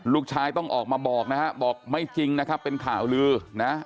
ลูกชายต้องออกมาบอกนะฮะบอกไม่จริงนะครับเป็นข่าวลือนะ